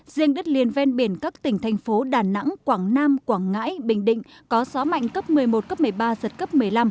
riêng đất liền ven biển các tỉnh thành phố đà nẵng quảng nam quảng ngãi bình định có gió mạnh cấp một mươi một cấp một mươi ba giật cấp một mươi năm